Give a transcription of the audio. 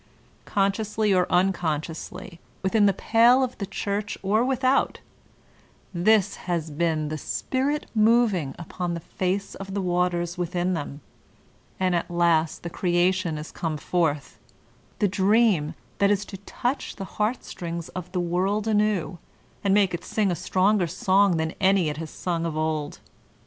Consciously or unconsciously, within the pale of the Church or without, this has been "the spirit moving upon the face of the waters'' within them, and at last the creation is come forth, the dream that is to touch the heart strings of the World anew, and make it sing a stronger song than any it has sung of old.